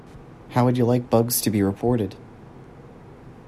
How would you like bugs to be reported?